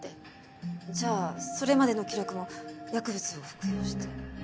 じゃあそれまでの記録も薬物を服用して？